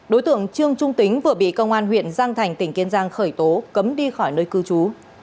đối tượng trương trung tính vừa bị công an huyện giang thành tỉnh kiên giang khởi tố cấm đi khỏi nơi cư trú